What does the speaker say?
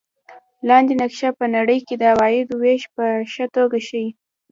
لاندې نقشه په نړۍ کې د عوایدو وېش په ښه توګه ښيي.